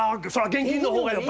現金のほうがね。